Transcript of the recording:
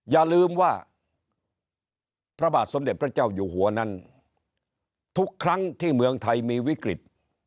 อย่าลืมว่าพระบาทสมเด็จพระเจ้าอยู่หัวนั้นทุกครั้งที่เมืองไทยมีวิกฤต